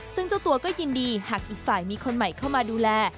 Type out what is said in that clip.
ซึ่งเจ้าตัวก็ยินดีหากอีกฝ่ายมีคนใหม่เข้ามาดูแล